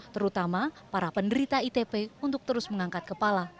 terutama para penderita itp untuk terus mengangkat kepala